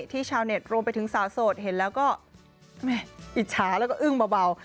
ชาวเน็ตรวมไปถึงสาวโสดเห็นแล้วก็แม่อิจฉาแล้วก็อึ้งเบา